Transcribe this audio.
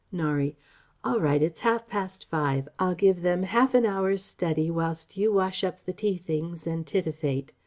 Norie: "All right. It's half past five. I'll give them half an hour's study whilst you wash up the tea things and titivate.